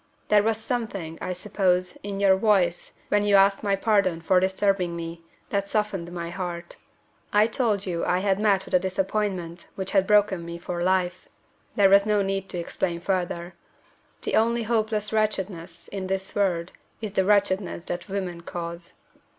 "There was something, I suppose, in your voice when you asked my pardon for disturbing me, that softened my heart. I told you I had met with a disappointment which had broken me for life. There was no need to explain further. The only hopeless wretchedness in this world is the wretchedness that women cause."